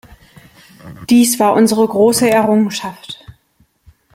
Dies war unsere große Errungenschaft.